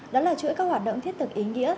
đó là chuỗi các hoạt động thiết thực ý nghĩa